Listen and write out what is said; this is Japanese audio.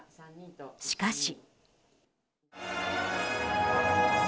しかし。